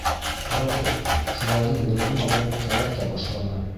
Рафиҡ шуларҙың береһен алып таҙарта башланы.